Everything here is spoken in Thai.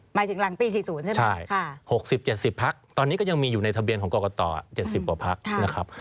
หมายถึงหลังปี๔๐ใช่ไหม๖๐๗๐พักตอนนี้ก็ยังมีอยู่ในทะเบียนของกรกต๗๐กว่าพักนะครับ